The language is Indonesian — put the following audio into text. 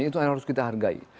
itu yang harus kita hargai